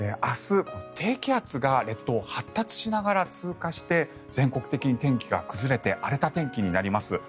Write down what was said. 明日、低気圧が列島を発達しながら通過して全国的に天気が崩れて荒れた天気になります。